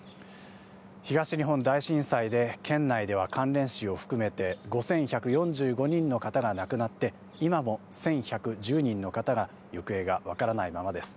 東日本大震災で県内では関連死を含めて５１４５人の方が亡くなって、今も１１１０人の方が行方がわからないままです。